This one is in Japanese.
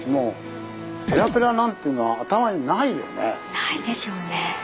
ないでしょうね。